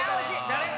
誰？